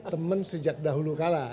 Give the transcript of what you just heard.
temen sejak dahulu kalah